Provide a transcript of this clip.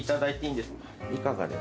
いかがですか？